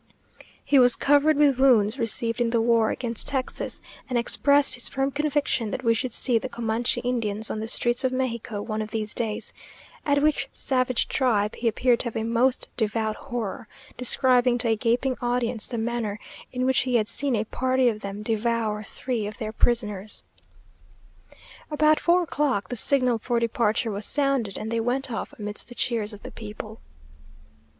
He was covered with wounds received in the war against Texas, and expressed his firm conviction that we should see the Comanche Indians on the streets of Mexico one of these days; at which savage tribe he appeared to have a most devout horror; describing to a gaping audience the manner in which he had seen a party of them devour three of their prisoners.... About four o'clock the signal for departure was sounded, and they went off amidst the cheers of the people.